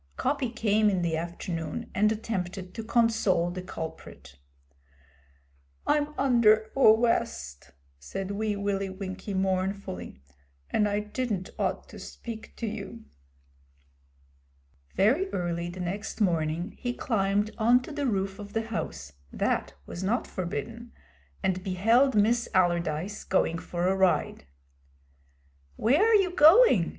Coppy came in the afternoon and attempted to console the culprit. 'I'm under awwest,' said Wee Willie Winkie mournfully, 'and I didn't ought to speak to you.' Very early the next morning he climbed on to the roof of the house that was not forbidden and beheld Miss Allardyce going for a ride. 'Where are you going?'